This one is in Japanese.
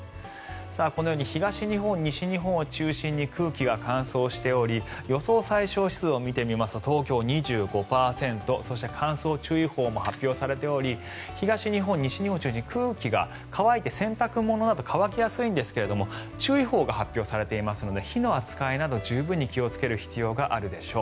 このように東日本、西日本を中心に空気が乾燥しており予想最小湿度を見ていますと東京、２５％そして、乾燥注意報も発表されており東日本、西日本を中心に空気が乾いて洗濯物が乾きやすいんですが注意報が発表されていますので火の扱いなど十分に気をつける必要があるでしょう。